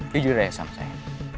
tidur ya sama saya